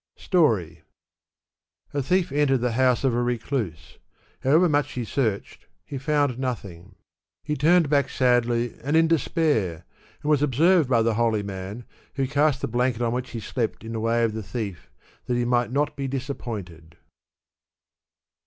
Story. A thief entered the house of a recluse. However much he searched, he found nothing. He turned back sadly and in despair, and was observed by the holy man, who cast the blanket on which he slept in the way of the thief, that he might not be disap pointed.